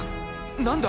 何だ⁉